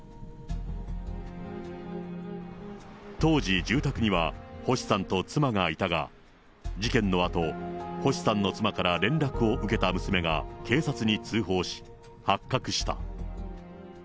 当時、住宅には星さんと妻がいたが、事件のあと、星さんの妻から連絡を受けた娘が警察に通報し、発覚した。